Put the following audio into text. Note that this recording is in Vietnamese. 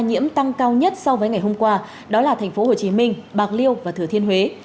nhiễm tăng cao nhất so với ngày hôm qua đó là thành phố hồ chí minh bạc liêu và thừa thiên huế